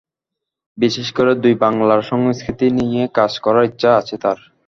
বিশেষ করে দুই বাংলার সংস্কৃতি নিয়ে কাজ করার ইচ্ছা আছে তাঁর।